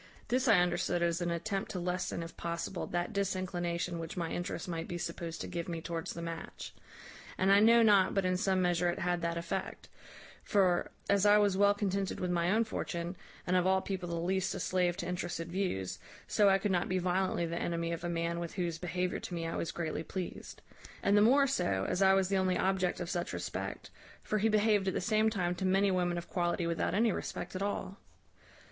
This I understood as an attempt to lessen, if possible, that disinclination which my interest might be supposed to give me towards the match; and I know not but in some measure it had that effect; for, as I was well contented with my own fortune, and of all people the least a slave to interested views, so I could not be violently the enemy of a man with whose behaviour to me I was greatly pleased; and the more so, as I was the only object of such respect; for he behaved at the same time to many women of quality without any respect at all.